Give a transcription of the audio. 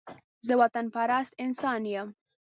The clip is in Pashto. زه وطن پرست انسان يم